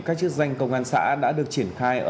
các chức danh công an xã đã được triển khai ở